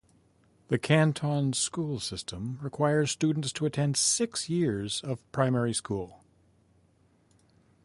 The canton's school system requires students to attend six years of primary school.